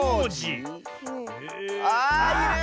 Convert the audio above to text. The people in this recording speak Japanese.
あいる！